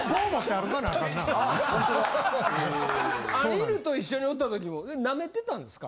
犬と一緒におった時も舐めてたんですか？